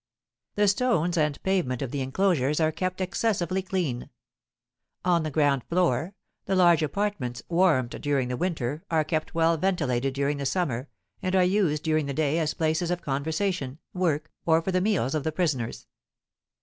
The stones and pavement of the enclosures are kept excessively clean. On the ground floor, the large apartments, warmed during the winter, are kept well ventilated during the summer, and are used during the day as places of conversation, work, or for the meals of the prisoners.